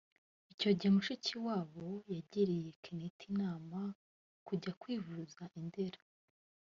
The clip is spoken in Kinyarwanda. Icyo gihe Mushikiwabo yagiriye Kenneth inama yo kujya kwivuza i Ndera